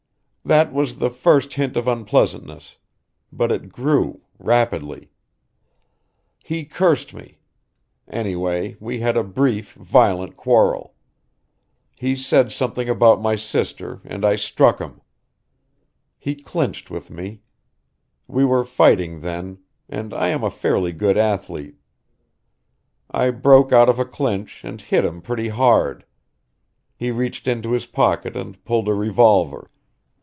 "That was the first hint of unpleasantness. But it grew rapidly. He cursed me anyway we had a brief, violent quarrel. He said something about my sister and I struck him. He clinched with me. We were fighting then and I am a fairly good athlete. I broke out of a clinch and hit him pretty hard. He reached into his pocket and pulled a revolver.